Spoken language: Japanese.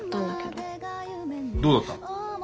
どうだった？